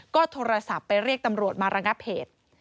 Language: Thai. ก็โทรศัพท์ไปเรียกตำรวจมาระงับเหตุ